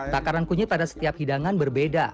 takaran kunyit pada setiap hidangan berbeda